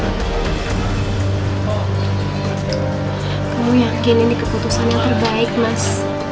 kamu yakin ini keputusan yang terbaik mas